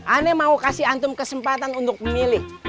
aneh mau kasih antum kesempatan untuk memilih